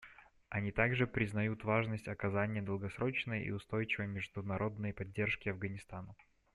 Они также признают важность оказания долгосрочной и устойчивой международной поддержки Афганистану.